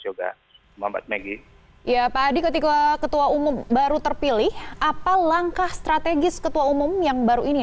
juga pak adi ketika ketua umum baru terpilih apa langkah strategis ketua umum yang baru ini